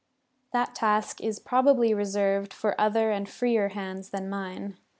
That task is probably reserved for other and freer hands than mine.